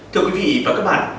thưa quý vị và các bạn